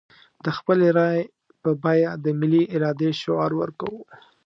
د خپلې رايې په بيه د ملي ارادې شعار ورکوو.